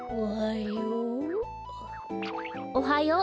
おはよう。